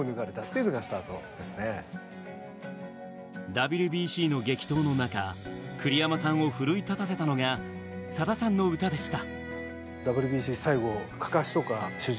ＷＢＣの激闘の中栗山さんを奮い立たせたのがさださんの歌でした。